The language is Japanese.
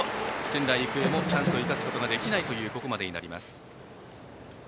仙台育英もチャンスを生かすことができないというここまでになります。